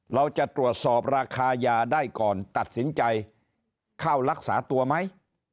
เราจะตรวจสอบราคายาได้ก่อนตัดสินใจเข้ารักษาตัวไหม